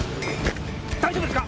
大丈夫ですか？